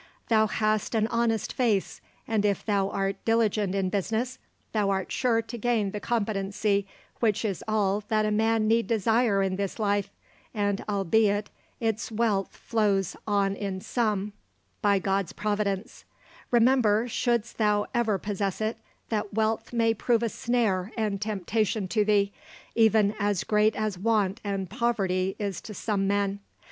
Thou hast an honest face, and if thou art diligent in business, thou art sure to gain the competency which is all that a man need desire in this life, and albeit its wealth flows in on some, by God's providence; remember, shouldst thou ever possess it, that wealth may prove a snare and temptation to thee, even as great as want and poverty is to some men.